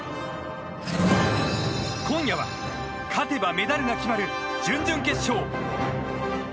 今夜は勝てばメダルが決まる準々決勝。